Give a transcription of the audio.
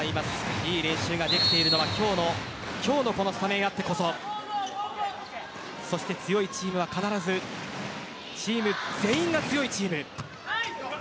いい練習ができているのは今日のこのスタメンがあってこそそして強いチームは必ずチーム全員が強いチーム。